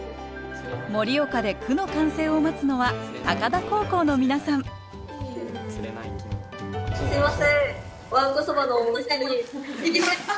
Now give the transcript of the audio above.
盛岡で句の完成を待つのは高田高校の皆さんすいません！